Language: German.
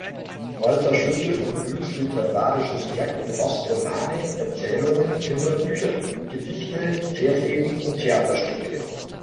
Walther Schulte vom Brühls literarisches Werk umfasst Romane, Erzählungen, Kinderbücher, Gedichte, Versepen und Theaterstücke.